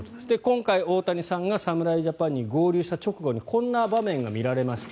今回、大谷さんが侍ジャパンに合流した直後にこんな場面が見られました。